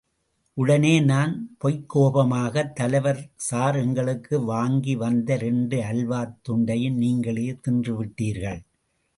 உடனே நான் பொய்க்கோபமாக தலைவர் சார், எங்களுக்கு வாங்கி வந்த இரண்டு அல்வாத் துண்டையும் நீங்களே தின்றுவிட்டீர்கள்.